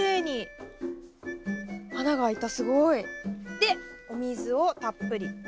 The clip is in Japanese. でお水をたっぷり。